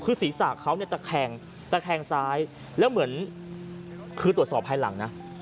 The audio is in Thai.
คือศรีศาสตร์เขาเนี่ยตะแข่งตะแข่งซ้ายแล้วเหมือนคือตรวจสอบภายหลังนะ